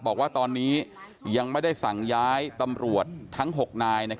บอกว่าตอนนี้ยังไม่ได้สั่งย้ายตำรวจทั้ง๖นาย